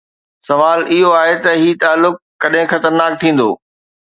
سوال اهو آهي ته هي تعلق ڪڏهن خطرناڪ ٿيندو؟